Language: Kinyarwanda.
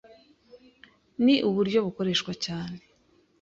Ni uburyo bukoreshwa cyane